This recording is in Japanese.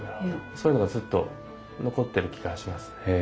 そういうのがずっと残ってる気がしますね。